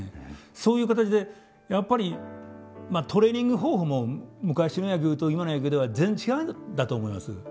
そういう形でやっぱりトレーニング方法も昔の野球と今の野球では全然違うんだと思います。